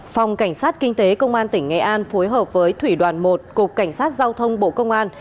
phòng cảnh sát kinh tế công an tp hcm phối hợp với thủy đoàn một cục cảnh sát giao thông bộ công an